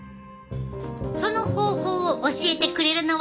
その方法を教えてくれるのは。